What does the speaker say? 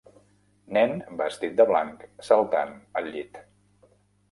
Nen vestit de blanc saltant al llit